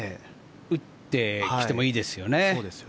打ってきてもいいですよね。